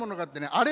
あれ？